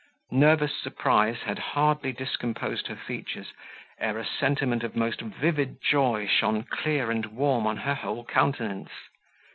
Nervous surprise had hardly discomposed her features ere a sentiment of most vivid joy shone clear and warm on her whole countenance.